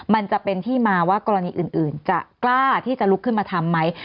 มันจะเป็นที่มาว่ากรณีอื่นจะกล้าที่จะลุกขึ้นมาทำไหม